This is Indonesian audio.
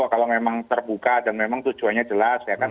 kalau memang terbuka dan memang tujuannya jelas ya kan